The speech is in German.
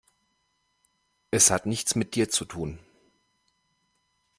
Es hat nichts mit dir zu tun.